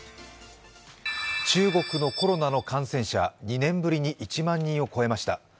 中国のコロナの感染者、２年ぶりに１万人を超えました。